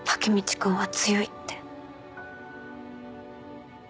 君は強いって。